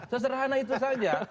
seserhana itu saja